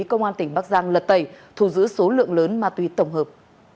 công an tỉnh bắc giang lật tẩy thu giữ số lượng lớn ma túy tổng hợp